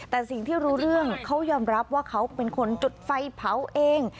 แต่สิ่งที่รู้เรื่องเขายอมรับว่าเขาเป็นคนจุดไฟเผาเอง